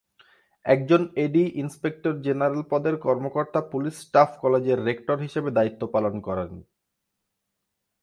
একজন এডি: inspector general পদের কর্মকর্তা পুলিশ স্টাফ কলেজের রেক্টর হিসেবে দায়িত্ব পালন করেন।